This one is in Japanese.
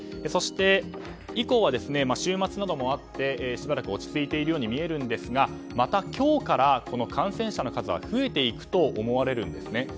そして、以降は週末などもあってしばらく落ち着いているように見えるんですが、また今日から感染者数は増えていくと思われるんですね。